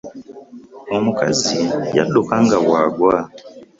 Omukazi yadduka nga bwagwa.